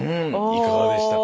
いかがでしたか？